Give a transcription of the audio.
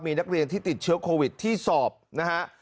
มีนักเรียนที่ติดเชื้อโควิดที่สอบนะฮะ